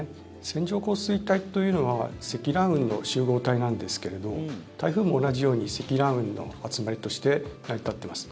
線状降水帯というのは積乱雲の集合体なんですけれど台風も同じように積乱雲の集まりとして成り立っています。